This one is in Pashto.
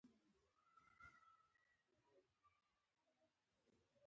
چې ډوډۍ مې خوړه؛ احمد مې زړه ته جګ ودرېد.